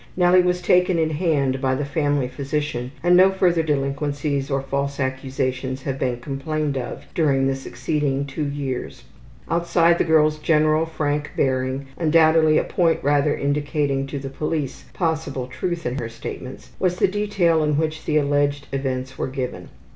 Nellie was taken in hand by the family physician and no further delinquencies or false accusations have been complained of during the succeeding two years. Outside of the girl's general frank bearing, undoubtedly a point rather indicating to the police possible truth in her statements, was the detail in which the alleged events were given.